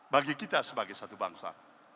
bagi kita sebagai satu bangsa